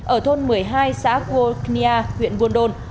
ở thôn một mươi hai xã quô nia huyện buôn đôn